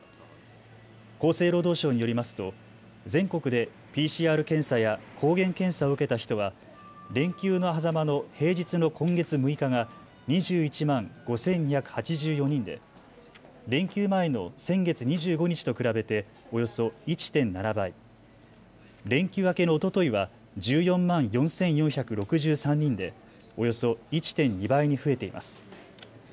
厚生労働省によりますと全国でＰＣＲ検査や抗原検査を受けた人は連休のはざまの平日の今月６日が２１万５２８４人で連休前の先月２５日と比べておよそ１．７倍、連休明けのおとといは１４万４４６３人でおよそ１．２倍に増えています。